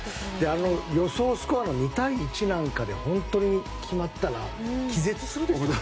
予想スコアの２対１なんかで本当に決まったら気絶するでしょうね。